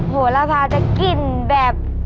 หัวละพาจะกินแบบ